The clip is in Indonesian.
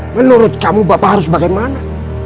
menurut kamu bapak harus bagaimana